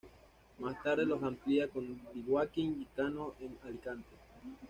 Más tarde los amplía con D. Joaquín Chicano en Alicante.